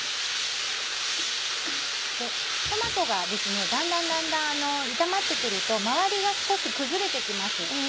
トマトがだんだんだんだん炒まって来ると周りが少し崩れて来ます。